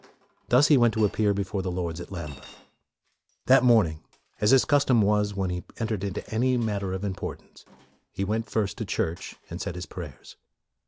Thus he went to appear before the Lords at Lambeth. That morning, as his cus tom was when he entered into any matter of importance, he went first to church and said his prayers.